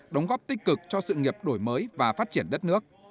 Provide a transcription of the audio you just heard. đóng góp tích cực cho sự nghiệp đổi mới và phát triển đất nước